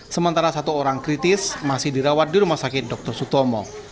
sementara satu orang kritis masih dirawat di rumah sakit dr sutomo